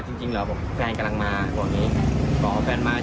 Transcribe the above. ขอแข็งหน่อย